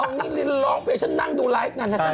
เอานิรินเหรอไปให้ฉันนั่งดูลายฟ์กัน